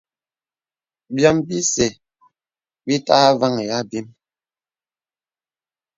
Bīòm bìsə bítà àvāŋhī àbīm.